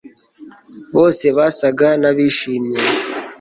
Bose basaga nabishimye